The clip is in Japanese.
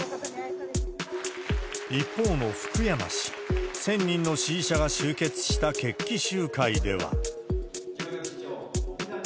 一方の福山氏、１０００人の支持者が集結した決起集会では。